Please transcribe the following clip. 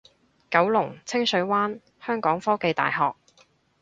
九龍清水灣香港科技大學